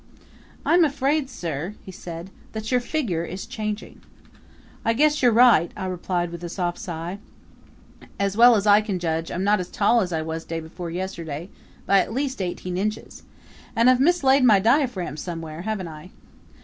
"I'm afraid, sir," he said, "that your figure is changing." "I guess you're right," I replied with a soft sigh. "As well as I can judge I'm not as tall as I was day before yesterday by at least eighteen inches. And I've mislaid my diaphragm somewhere, haven't I?"